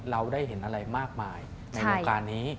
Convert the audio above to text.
เราได้เห็นอะไรมากมายในวงการนี้